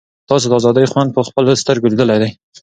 تاسو د آزادۍ خوند په خپلو سترګو لیدلی دی.